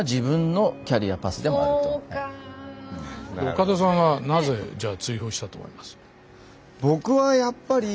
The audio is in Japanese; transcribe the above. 岡田さんはなぜじゃあ追放したと思います？